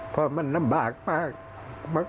เพราะมันลำบากมาก